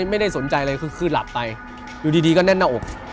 ไม่ได้สนใจอะไรคือหลับไปอยู่ดีก็แน่นหน้าอก